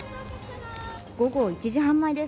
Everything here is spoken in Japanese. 午後１時半前です。